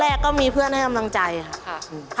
ก็มีเพื่อนให้กำลังใจค่ะ